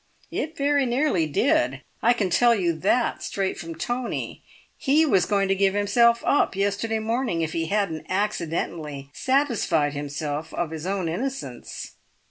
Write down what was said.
"It very nearly did! I can tell you that straight from Tony; he was going to give himself up yesterday morning, if he hadn't accidentally satisfied himself of his own innocence."